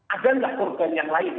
ada nggak korban yang lain